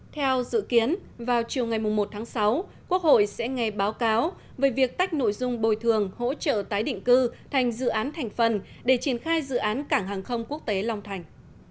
theo dự kiến vào chiều ngày một tháng sáu quốc hội sẽ nghe báo cáo về việc tách nội dung bồi thường hỗ trợ tái định cư thành dự án thành phần để triển khai dự án cảng hàng không quốc tế long thành